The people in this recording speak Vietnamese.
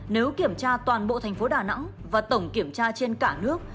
nếu kiểm tra toàn bộ tp đà nẵng và tổng kiểm tra trên cả nước